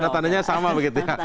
tandanya sama begitu ya